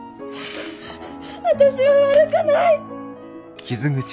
私は悪くない。